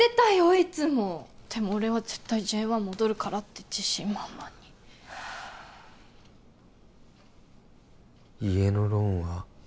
いつもでも俺は絶対Ｊ１戻るからって自信満々に家のローンは？